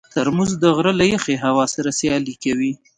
ترموز د غره له یخې هوا سره سیالي کوي.